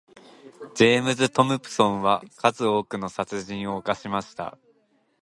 ジェームズトムプソンは数多くの殺人を犯しました。